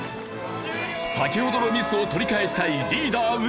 先ほどのミスを取り返したいリーダー宇治原。